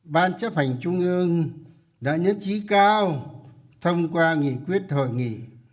ban chấp hành trung ương đã nhấn chí cao thông qua nghị quyết hội nghị